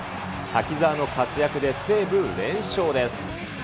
滝澤の活躍で西武、連勝です。